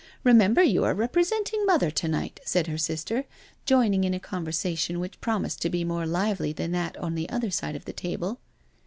Remember you are represent ing Mother to night," said her sister, joining in a con versation which promised to be more lively than that on her side of the table.